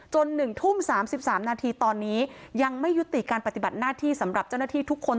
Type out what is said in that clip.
๑ทุ่ม๓๓นาทีตอนนี้ยังไม่ยุติการปฏิบัติหน้าที่สำหรับเจ้าหน้าที่ทุกคน